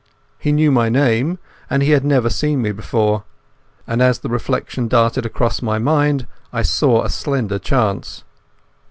He knew my name, but he had never seen me before. And as the reflection darted across my mind I saw a slender chance.